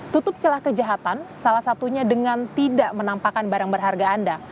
tutup celah kejahatan salah satunya dengan tidak menampakkan barang berharga anda